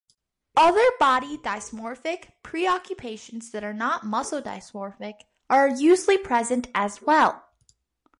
Other body-dysmorphic preoccupations that are not muscle-dysmorphic are usually present as well.